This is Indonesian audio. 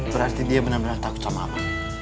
berarti dia benar benar takut sama apa